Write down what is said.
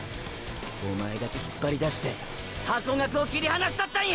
おまえだけ引っぱりだしてハコガクを切り離したったんや！！